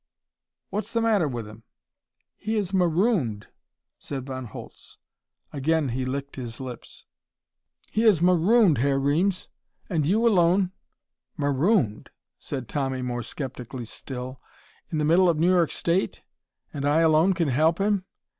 "What's the matter with him?" "He is marooned," said Von Holtz. Again he licked his lips. "He is marooned, Herr Reames, and you alone " "Marooned?" said Tommy more skeptically still. "In the middle of New York State? And I alone can help him?